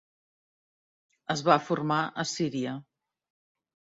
Es va formar a Síria.